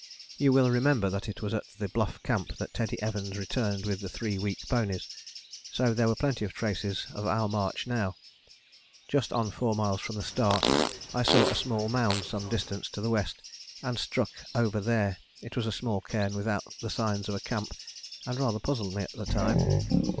You will remember that it was at the Bluff Camp that Teddy Evans returned with the three weak ponies, so there were plenty of traces of our march now. Just on four miles from the start I saw a small mound some distance to the west, and struck over there: it was a small cairn without the signs of a camp and rather puzzled me at the time.